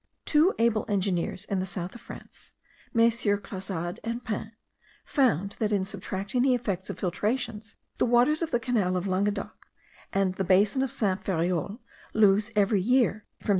Two able engineers in the south of France, Messrs. Clausade and Pin, found, that in subtracting the effects of filtrations, the waters of the canal of Languedoc, and the basin of Saint Ferreol lose every year from 0.